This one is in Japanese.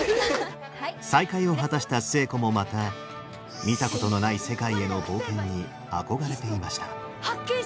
再会を果たした寿恵子もまた見たことのない世界への冒険に憧れていました。